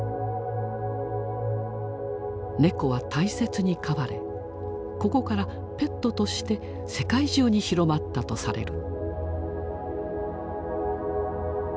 猫は大切に飼われここからペットとして世界中に広まったとされる。